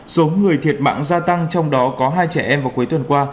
số người thiệt mạng gia tăng trong đó có hai trẻ em vào cuối tuần qua